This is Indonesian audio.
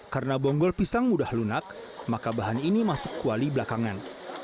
karena bonggol pisang mudah lunak maka bahan ini masuk kuali belakangan